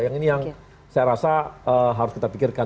yang ini yang saya rasa harus kita pikirkan